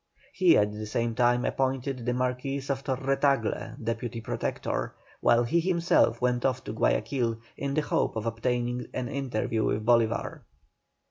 He at the same time appointed the Marquis of Torre Tagle Deputy Protector, while he himself went off to Guayaquil in the hope of obtaining an interview with Bolívar.